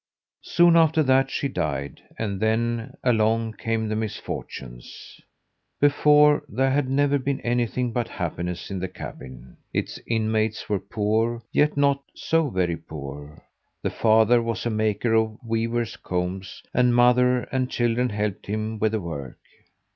Soon after that she died, and then along came the misfortunes. Before, there had never been anything but happiness in that cabin. Its inmates were poor, yet not so very poor. The father was a maker of weavers' combs, and mother and children helped him with the work.